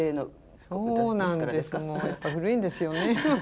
やっぱ古いんですよね。